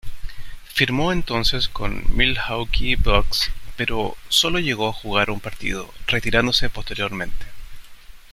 Firmó entonces con Milwaukee Bucks, pero sólo llegó a jugar un partido, retirándose posteriormente.